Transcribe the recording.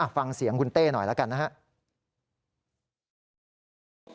ฟังเสียงคุณเต้หน่อยแล้วกันนะครับ